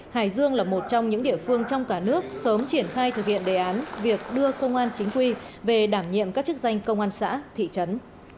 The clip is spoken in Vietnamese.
hải dương là một trong những địa phương trong cả nước sớm triển khai thực hiện đề án việc đưa công an chính quy về đảm nhiệm các chức danh công an xã thị trấn